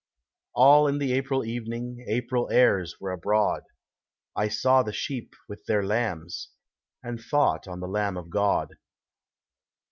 All in the April evening, April airs were abroad, I saw the sheep with their lambs, And thought on the Lamb of God.